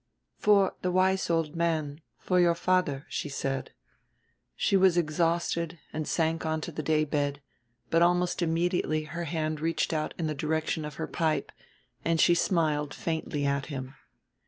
"For the wise old man, for your father," she said. She was exhausted and sank onto the day bed; but almost immediately her hand reached out in the direction of her pipe, and she smiled faintly at him.